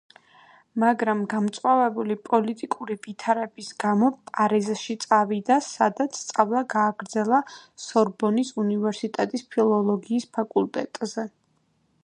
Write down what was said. მაგრამ გამწვავებული პოლიტიკური ვითარების გამო პარიზში წავიდა, სადაც სწავლა გააგრძელა სორბონის უნივერსიტეტის ფილოლოგიის ფაკულტეტზე.